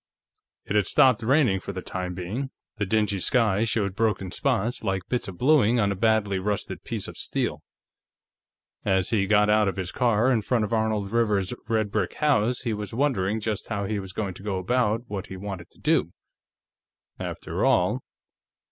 It had stopped raining for the time being; the dingy sky showed broken spots like bits of bluing on a badly rusted piece of steel. As he got out of his car in front of Arnold Rivers's red brick house, he was wondering just how he was going to go about what he wanted to do. After all